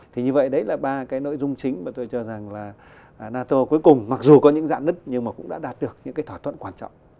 thì như vậy đấy là ba cái nội dung chính mà tôi cho rằng là nato cuối cùng mặc dù có những giãn nứt nhưng mà cũng đã đạt được những cái thỏa thuận quan trọng